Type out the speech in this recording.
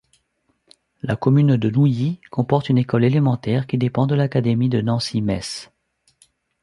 La commune de Nouilly comporte une école élémentaire qui dépend de l'académie de Nancy-Metz.